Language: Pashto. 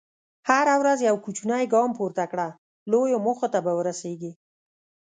هره ورځ یو کوچنی ګام پورته کړه، لویو موخو ته به ورسېږې.